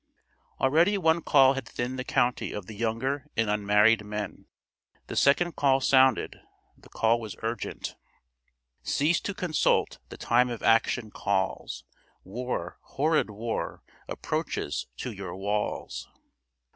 Already one call had thinned the county of the younger and unmarried men. The second call sounded. The call was urgent, "Cease to consult, the time of action calls. War, horrid war, approaches to your walls."